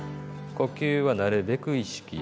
呼吸はなるべく意識。